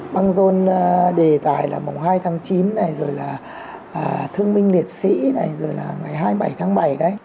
băng rôn đề tài là mùng hai tháng chín này rồi là thương binh liệt sĩ này rồi là ngày hai mươi bảy tháng bảy đấy